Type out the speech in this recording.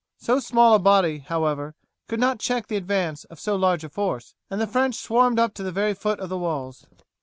So small a body, however, could not check the advance of so large a force, and the French swarmed up to the very foot of the walls.